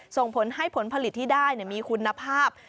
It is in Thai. ส่งผลให้ผลผลิตที่ได้มีคุณภาพ